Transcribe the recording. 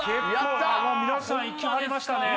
皆さんいきはりましたね。